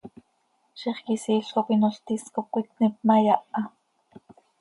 Zixquisiil cop inol tis cop cöitníp ma, yaha.